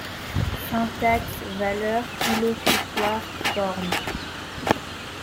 Syntaxe-valeur illocutoire-formes.